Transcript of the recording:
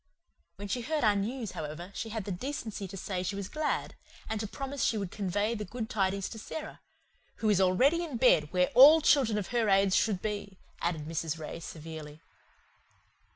When she heard our news, however, she had the decency to say she was glad, and to promise she would convey the good tidings to Sara "who is already in bed, where all children of her age should be," added Mrs. Ray severely.